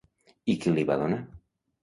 I qui li va donar?